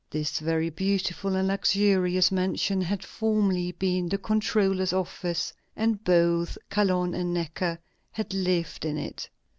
This very beautiful and luxurious mansion had formerly been the controller's office, and both Calonne and Necker had lived in it.